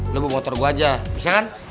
lu bawa motor gua aja bisa kan